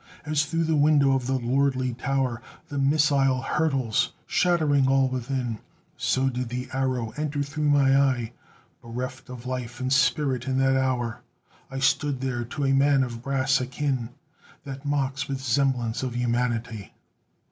As through the window of the lordly tower The missile hurtles, shattering all within, So did the arrow enter through my eye; Bereft of life and spirit in that hour I stood there, to a man of brass akin, That mocks with semblance of humanity.